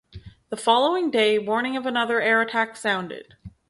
The following day, warning of another air attack sounded.